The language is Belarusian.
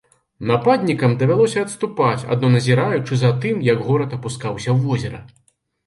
Нападнікам давялося адступіць, адно назіраючы за тым, як горад апускаўся ў возера.